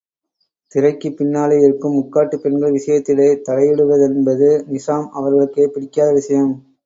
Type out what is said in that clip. திரைக்குப் பின்னாலே இருக்கும் முக்காட்டுப் பெண்கள் விஷயத்திலே தலையிடுவதென்பது நிசாம் அவர்களுக்கே பிடிக்காத விஷயம்!